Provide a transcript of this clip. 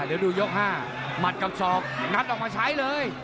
เดี๋ยวดูยก๕หมัดกับศอกงัดออกมาใช้เลย